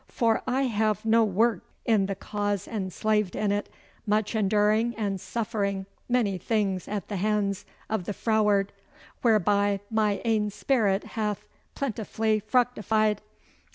For have I no worked in the cause and slaved in it, much enduring and suffering mony things at the honds o' the froward, whereby my ain speerit hath plentifully fructified?